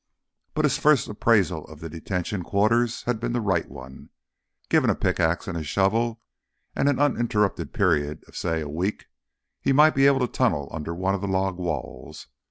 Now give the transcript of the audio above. But his first appraisal of the detention quarters had been the right one. Given a pickax and a shovel, and an uninterrupted period of, say, a week, he might be able to tunnel under one of the log walls.